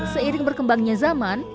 seiring berkembangnya zaman